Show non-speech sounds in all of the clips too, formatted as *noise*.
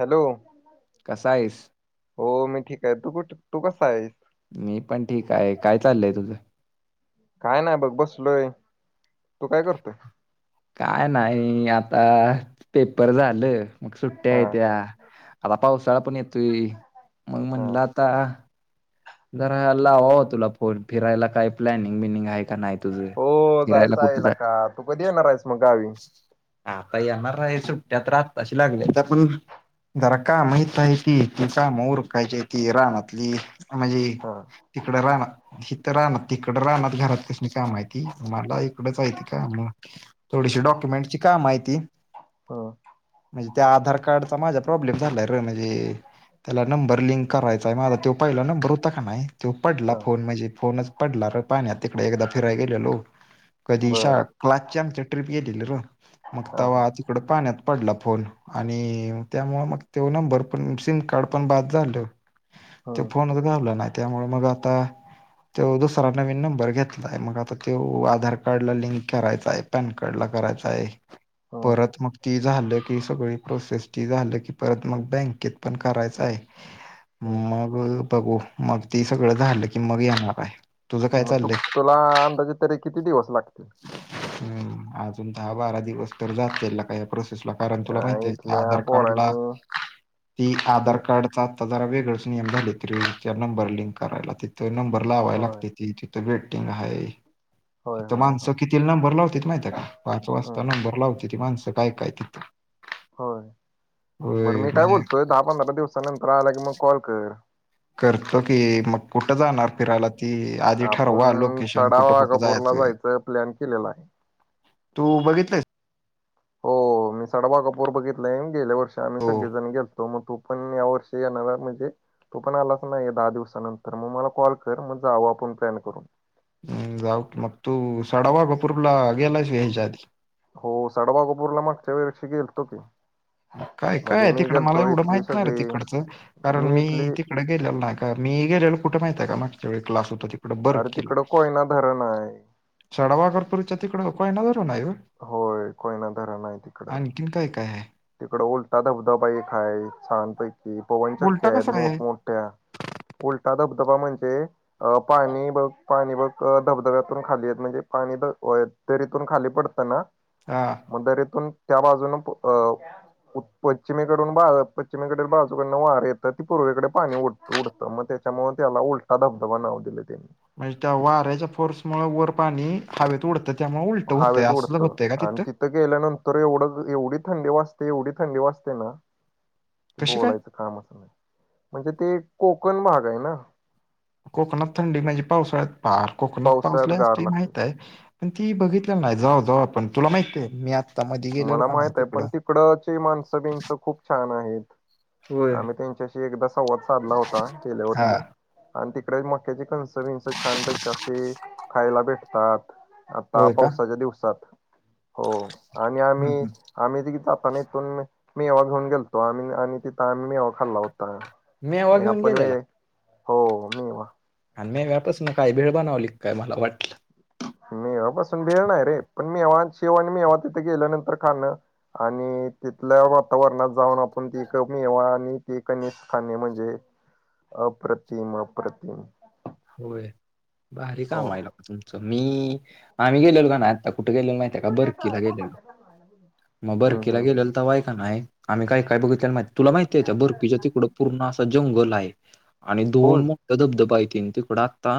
Hello कसा हाईस. हो मी ठीक आहे. तू कुठ, तू कसा आहेस. मी पण ठीक आहे. काय चाललय तुझ. काय नाही बघ बसलोय. तू काय करतोय? काय नाही आता पेपर झाल. मग सुट्ट्या हा हाईत्या. आता पावसाळा पण येतोय. मग हा म्हणल आता जरा लावावा तुला फोन. फिरायला काही प्लॅनिंग बिनिंग आहे का नाही. तुझं? हो फिरायला जायच आहे‌ कुठं जाय लका. तू कधी येणार आहेस मग गावी‌. आता येणार आहे. सुट्ट्यात आताशी लागल्याता पण. जर काम इथ आहे की. ति काम ऊरकायची आहे ती राणातली. म्हणजे हा तिकड राहण हिथ राणात, तिकड राणात घरातल्यासनी काम हाईती. मला इकडच हाईती काम. थोडीशी डॉक्युमेंटची काम हाईती. ह म्हणजे, त्या आधार कार्डचा माझा प्रॉब्लेम झालाय र. म्हणजे त्याला नंबर लिंक करायचाय माझा. तो पहिला नंबर नंबर होता का नाही, तो पडला हा फोन. म्हणजे फोनच पडला र पाण्यात. तिकडे एकदा फिरायला गेलेलो. कधी बर शा, क्लासची आमची ट्रिप गेलेली र मग हा हा तवा तिकड पाण्यात पडला फोन. आणि त्यामुळे मग तो नंबर पण, सिम कार्ड पण बाद झाल. तो हम्म फोनच गावला नाही. त्यामुळे मग आता तो दुसरा नवीन नंबर घेतला आहे. मग आता तो आधार कार्डला लिंक करायचा आहे. पॅन कार्ड ला करायचा आहे. हम्म परत मग ती झाल की सगळी प्रोसेस ते झाल की, परत मग बँकेत पण करायच आहे. हम्म मग बघू, मग ती सगळ झाल की मग येणार आहे. तुझं काय मग तू, चाललंय? तुला अंदाजे तरी किती दिवस लागतील. हम्म, अजून दहा बारा दिवस तर जातेल त्यांला काय प्रोसेसला. कारण अ तुला माहिती आहे इथल्या आधार कार्डला पोरानी ती आधार हे कार्डचा आता जरा वेगळच नियम झालेत रे. ते नंबर लिंक करायला. तिथ नंबर लावाय होय लागत. तिथे वेटिंग आहे. होय तिथ होय माणस होय किती ते नंबर लावत्यात माहितीय का? पाच हम्म वाजता नंबर लावतेत माणस काय काय तिथ. होय, बर मी काय म्हणजे बोलतोय, दहा पंधरा दिवसानंतर आला की मग कॉल कर. करतो की, मग कुठ जाणार फिरायला. ती आधी ठरवा लोकेशन कुठ कुठे जा जायचा प्लॅन केलेला आहे. तू बघितलय. हो मी सडाबाकपूर बघितलाय. गेल्या वर्षी आम्ही हो सगळेजण गेलतो. मग तू पण या वर्षी येणार हाय म्हणजे तु पण आलास ना, एक दहा दिवसानंतर मग मला कॉल कर. मग जाऊ आपण प्लॅन करून. हम्म जाऊ की मग. तु सडावागपूरला गेला आहेस काय हेच्या आधी. हो सडावाकपूरला मागच्या वर्षी गेलतो की. काय काय म्हणजे हाय मी तिकडं मला गेलतो एवढं इथली माहित नाही रे सगळी तिकडचं कारण मी ति तीकडं गेल्यालो नाही का मी गेलेला कुठं माहिती हाय का मागच्या व क्लास हुता अरं तिकडं कोयना धरण हाय सडावागापूरच्या तिकडं कोयना धरण हाय होय? होय कोयना धराण आहे तिकडं आणखीन काय काय आहे तिकडं उलटा धबधबा एक हाय छानपैकी पवन उलटा चक्क्या आहेत कसा काय आहे मोठमोठ्या उलटा धबधबा म्हणजे अ पाणी बघ पाणी बघ धबधब्यातून खाली येत म्हणजे पाणी तरीपण खाली पडत तना हा म दरीतून त्या बाजूनं अं पश्चिमेकडून बा पश्चिमेकडील बाजूकडन वार येतात ती पूर्वेकडे पाणी ऊढतं उडत म त्याच्यामुळं त्याला उलटा धबधबा नाव दिले त्यांनी म्हणजे त्या वाऱ्याच्या फोर्समुळ वर पाणी हवेत उडत. त्यामुळं उलटं होतंय असल होतय का तिथं? तीथं गेल्यानंतर एवढं एवढी थंडी वाजते एवढी थंडी वाजते ना कशी काय बोलायचं कामच नाही, म्हणजे ते कोकण भाग आहे ना. कोकणात थंडी म्हणजे पावसाळ्यात पार कोकणात पाऊस लय पावसाळ्यात गार असतोय लागते माहित हाय पण ती बघितलेला नाही जाऊ जाऊ आपण तुला माहितेय मी आ मला माहित आहे, पण तिकडची माणसंबींनस खूप छान आहेत. होय आम्ही त्यांच्याशी एकदा संवाद साधला होता गेल्या हा वर्षी. आणि तिकडं मक्याची कनसं बीनसं छानपैकी अशी खायला भेटतात. आता होय का पावसाच्या दिवसात. हो आणि हम्म, आम्ही हम्म. आम्ही ते जाताना इथून मेवा घेऊन गेलतो आम्ही आणि तिथं आम्ही मेवा खाल्ला होता. मेवा घेऊन आपण गेलेला वेळे हो मेवा. आणि मेव्यापासन काय भेळ बनवली काय? मला वाटल. मेवा पासून भेळ नाही रे, पण मेवा शेव आणि मेवा तिथे गेल्या नंतर खाणं- आणि तिथल्या वातावरणात जाऊन आपण ते मेवा आणि ते कनिस खाणे म्हणजे अप्रतिम अप्रतिम होय भारी हो काम हाय लका तुमचं, मी आम्ही गेलो का नाय आता कुठं गेलेलो माहीते का बरकीला गेलेलो. *inaudible* म बरकीला हम्म हम्म गेलेलो तवा हाय का नाय- आम्ही काय काय बघितलेल माहि तुला माहितीय का त्या बर्कीच्या तिकडं पूर्ण असा जंगल हाय. आणि होय दोन मोठ धबधबा हायतीन. तिकडं आता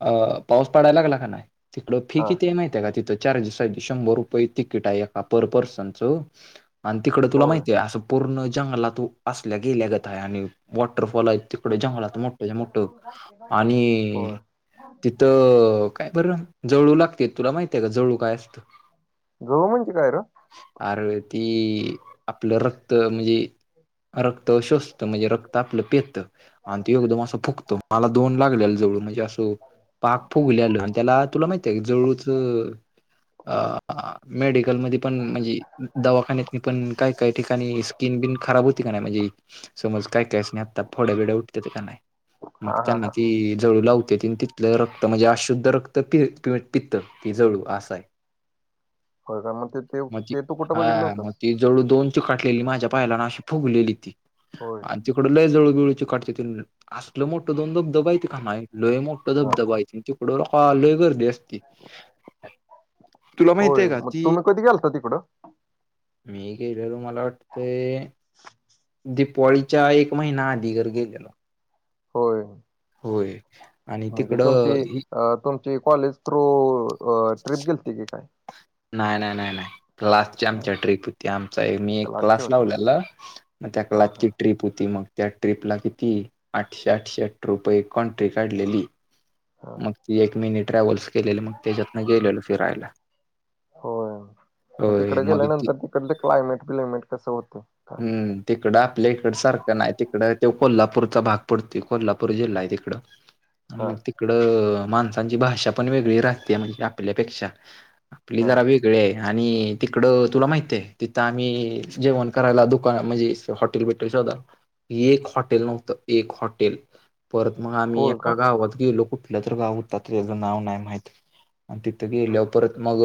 अ पाऊस पडाय लागला का नाय, तिकडं फी हा किती आहे माहती का तिथं चार्जेस हायती शंभर रुपये तिकीटाय एका पर पर्सन चं. आणि तिकड तुला होय माहितीय, असं पूर्ण जंगलातू असल्या गेल्या गत आहे आणि वॉटरफॉल हाइत. तिकड जंगलात मोठंच्या मोठं. आणि होय तिथं काय बरं जळू लागतेत. तुला माहितीय का जळू काय असतं? जळू म्हणजे काय रं? अर ते आपलं रक्त म्हणजे रक्त शोषतं म्हणजे रक्त आपलं पेतं आणि ते एकदम असं फुगतं. मला दोन लागल्यालं जळू, म्हणजे असं पाक फुगल्यालं, आणि त्याला तुला माहितय जळूचं अं आं मेडिकलमध्ये पण म्हणजे दवाखान्यातनी पण काय काय ठिकाणी स्किन बिन खराब होती का नाय, म्हणजे समज काय कायसनी आता फोड्या बीड्या उटत्याती का नाय? हा हा त्यांना हा ती जळू लावत्याती आणि ती तलं रक्त म्हणजे अशुद्ध रक्त पि पि पितं ते जळू आसाय. होय का मग ते ते मं ती ते तू कुठं हा बघितलं मग होतंस ती जळू दोन चिकाटलेली माझ्या पायाला आन अशी फुगलेली ती. होय आणि तिकडं लै जळू बिळू चिकाटतित, असलं मोठं दोन धबधबं आहिती का माही लोय मोठ हा धबधबाय हाय तिकडं लोय गर्दी असते. तुला होय माहितेय का मग की तुम्ही कधी गेलता तिकडं मी गेलेलो, मला वाटतंय दिपवाळीच्या एक महिना आधी घर गेलेलो. होय होय. आणि म्हणजे तिकडं तुमची, अं तुम ती कॉलेज थ्रू ट्रिप गेलती की काय? नाही नाही नाही क्लासची आमच्या ट्रीप होती, आमचा मी एक क्लासची क्लास होती लावलेला. मग त्या हा हा क्लासची ट्रीप होती मग. त्या ट्रीपला किती, आठशे आठशे रुपये कॉन्ट्री काढलेली. हा मग ती एक मिनी ट्रॅव्हल्स केलेले मंग. त्याच्यातनं गेलेलो फिरायला. होय मग होय तिकडे ती गेल्यानंतर तिकडलं क्लायमेट, ब्ली मेट कस होते? हम्म तिकडं आपल्या इकड सारखं नाही तिकडं त्यो कोल्हापूरचा भाग पडतोय कोल्हापूर जिल्हा आहे तिकडं. *inaudible* हा मग तिकडं माणसांची भाषा पण वेगळी राहतिया, म्हणजे आपल्यापेक्षा आपली हा जरा वेगळी आहे. आणि तिकडं तुला माहिताये? तिथं आम्ही जेवण करायला दुकान म्हणजे हॉटेल बिटेल शोधा. एक हॉटेल नव्हतं, एक हॉटेल. परत मग आम्ही होय एका का गावात गेलो. कुठल्या तर गाव हुतं, त्याचं नाव नाही माहित. अन तितं गेल्यावर परत मग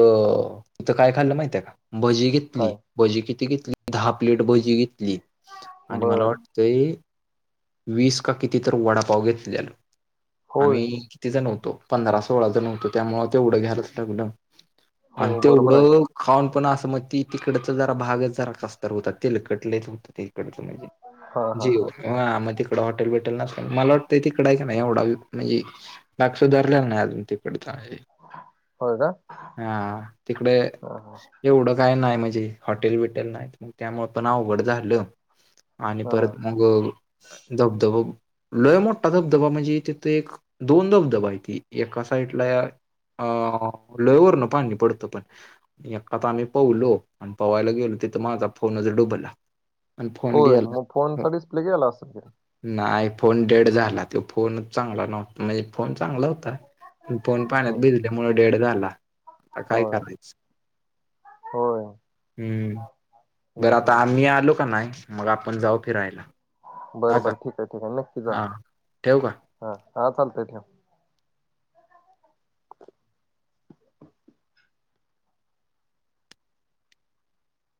तिथं काय खाल्लं माहितये का, भजी घेत काय भजी किती घेतली, दहा प्लेट भजी घेतली. आणि मला बर वाट ते वीस का किती तर वडापाव घेतल्यालं, होय आम्ही किती जण होतो, पंधरा सोळा जण होतो. त्यामुळं तेवढं घ्यायलाच लागलं, हो आणि बरोबर आहे की तेवढं खाऊन पण असं म ते तिकडचं जरा भागच जरा कसातर होता. तेलकट होत ते. *unintelligible* पाहिजे हा हा जेवण हा मं तिकडं हॉटेल बिटेल नसल. मला वाटतंय तिकडं आहे का नाही एवढा म्हणजे भाग सुधारलल्याला नाही अजून तिकडचा होय का? हा तिकडे हा हा एवढं काय नाही, म्हणजे हॉटेल बिटेल नाहीत मंग त्यामुळ पण अवघड झालं, आणि हा परत मग धबधब लय मोठा धबधबा म्हणजे तिथ एक दोन धबधबा आहेती. एका साइटला अ लय वरनं पाणी पडतं पण. एकात आम्ही पव्हलो आणि पोहायला गेलो तिथं माझा फोनचं डुबला आणि फोन होय गेला. मग, फोनचा डिस्प्ले गेला असल किरे. नाय फोन डेड झाला, त्यो फोनच चांगला नव्हता म्हणजे फोन चांगला होता. फोन पाण्यात हम्म भिजल्यामुळे डेड झाला, आता काय करायचं? होये. हम्म.. बरं आता आम्ही हम्म आलू का नाही मग आपण जाऊ फिरायला. बर हा का बर ठीक आहे ठीक आहे नक्की जाऊ हा ठेवू का? हा हा चालतंय ठेव.